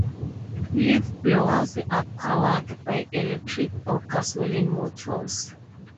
Leaf blowers are powered by electric or gasoline motors.